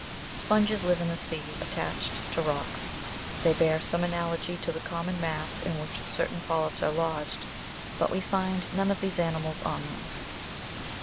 SPONGES live in the sea, attached to rocks: they bear some analogy to the common mass in which certain polyps are lodged, but we find none of these ani mals on them.